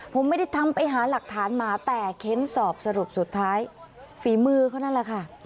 ผมไม่ได้ทำไปหาหลักฐานมาแต่เค้นสอบสรุปสุดท้ายฝีมือเขานั่นแหละค่ะ